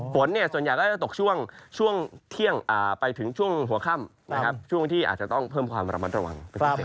ฝนส่วนใหญ่จะตกช่วงเที่ยงไปถึงช่วงหัวค่ำช่วงที่อาจจะต้องเพิ่มความระมัดระวัง